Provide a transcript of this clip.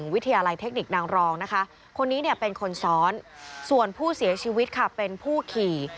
วิทยาลัยเทคนิคนางรองนะคะคนนี้เนี่ยเป็นคนซ้อนส่วนผู้เสียชีวิตค่ะเป็นผู้ขี่